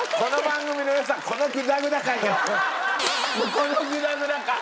このグダグダ感。